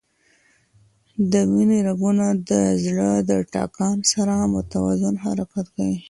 د وینې رګونه د زړه د ټکان سره متوازن حرکت کوي.